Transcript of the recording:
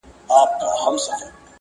ورک سم په هینداره کي له ځان سره؛